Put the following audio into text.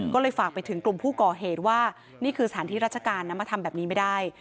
ก็เลยฝากไปถึงกลุ่มผู้ก่อเหตุว่านี่คือสถานที่ราชการนะมาทำแบบนี้ไม่ได้